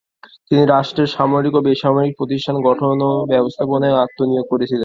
তিনি রাষ্ট্রের সামরিক ও বেসামরিক প্রতিষ্ঠান গঠন ও ব্যবস্থাপনায় আত্মনিয়োগ করেছিলেন।